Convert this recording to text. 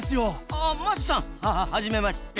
あ桝さんはじめまして！